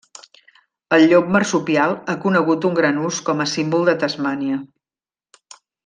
El llop marsupial ha conegut un gran ús com a símbol de Tasmània.